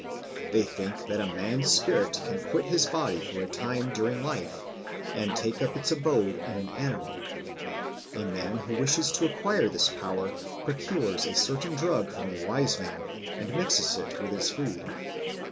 They think that a man's spirit can quit his body for a time during life and take up its abode in an animal. A man who wishes to acquire this power procures a certain drug from a wise man and mixes it with his food.